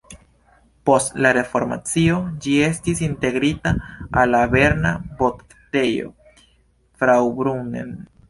Post la reformacio ĝi estis integrita al la berna Voktejo Fraubrunnen.